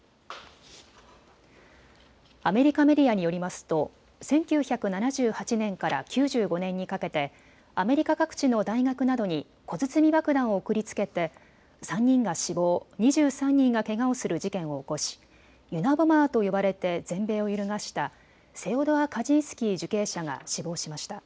アメリカメディアによりますと１９７８年から９５年にかけてアメリカ各地の大学などに小包爆弾を送りつけて３人が死亡、２３人がけがをする事件を起こしユナボマーと呼ばれて全米を揺るがしたセオドア・カジンスキー受刑者が死亡しました。